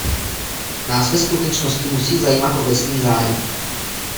Nás ve skutečnosti musí zajímat obecný zájem.